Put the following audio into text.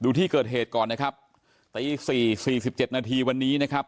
ดูที่เกิดเหตุก่อนนะครับตี๔๔๗นาทีวันนี้นะครับ